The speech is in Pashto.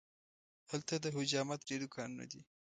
هلته د حجامت ډېر دوکانونه دي.